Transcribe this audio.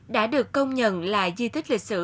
đã được công nhận là di tích lịch sử